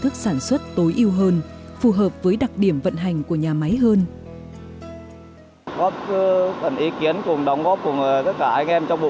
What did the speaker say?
có một phần công sức của những người công nhân như chị